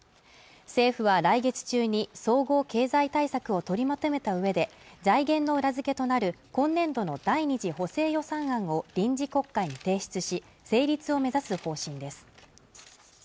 政府は来月中に総合経済対策を取りまとめたうえで財源の裏付けとなる今年度の第２次補正予算案を臨時国会に提出し成立を目指す方針です